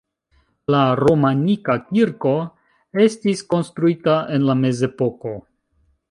La romanika kirko estis konstruita en la mezepoko.